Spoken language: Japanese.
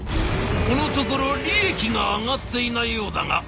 このところ利益が上がっていないようだが」。